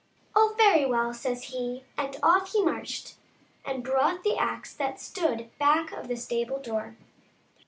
" Oh, very well !" says he, and off he marched and brought the axe that stood back of the stable door.